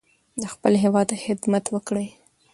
د خپل هیواد خدمت وکړئ.